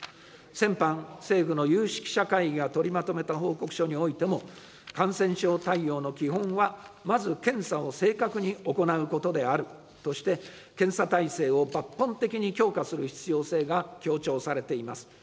先般、政府の有識者会議が取りまとめた報告書においても、感染症対応の基本は、まず検査を正確に行うことであるとして、検査体制を抜本的に強化する必要性が強調されています。